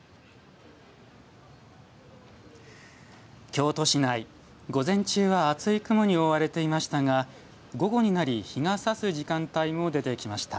京都市内、午前中は厚い雲に覆われていましたが午後になり日がさす時間帯も出てきました。